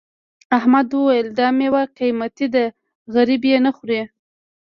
احمد وویل دا میوه قيمتي ده غريب یې نه خوري.